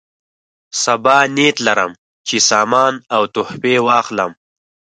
سبا نیت لرم چې سامان او تحفې واخلم.